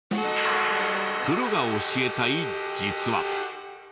プロが教えたい「実は」。